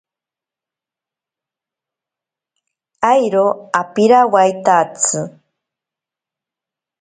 Airo apirawaitatsi.